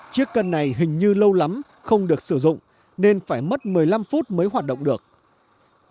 chiếc cân này hình như lâu lắm không được sử dụng nên phải mất một mươi năm phút mới hoạt động được